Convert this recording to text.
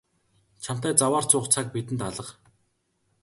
Чамтай заваарч суух цаг бидэнд алга.